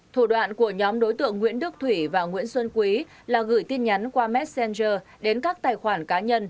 thủ đoạn của nhóm đối tượng nguyễn đức thủy và nguyễn xuân quý là gửi tin nhắn qua messenger đến các tài khoản cá nhân